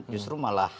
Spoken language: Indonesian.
justru malah hak haknya